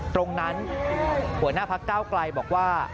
ตรงนั้นหัวหน้าภักด์ก้าวกลายบอกว่า